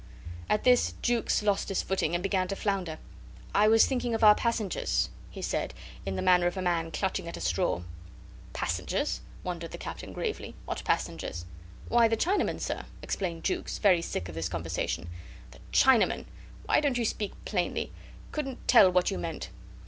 At this Jukes lost his footing and began to flounder. "I was thinking of our passengers," he said, in the manner of a man clutching at a straw. "Passengers?" wondered the Captain, gravely. "What passengers?" "Why, the Chinamen, sir," explained Jukes, very sick of this conversation. "The Chinamen! Why don't you speak plainly? Couldn't tell what you meant.